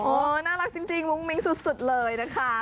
น่ารักจริงมุ้งมิ้งสุดเลยนะคะ